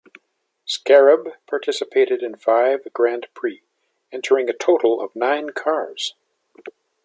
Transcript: Scarab participated in five Grands Prix, entering a total of nine cars.